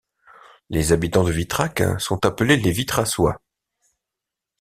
Les habitants de Vitrac sont appelés les Vitracois.